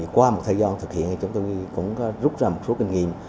qua một thời gian thực hiện thì chúng tôi cũng rút ra một số kinh nghiệm